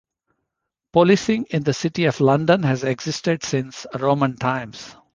Policing in the City of London has existed since Roman times.